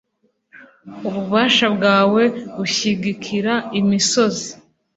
Ububasha bwawe bushyigikira imisozi